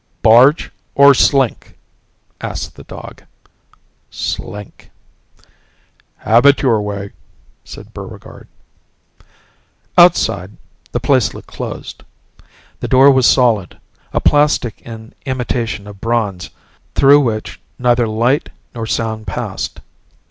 "Barge, or slink?" asked the dog. "Slink." "Have it your way," said Buregarde. Outside, the place looked closed. The door was solid, a plastic in imitation of bronze through which neither light nor sound passed.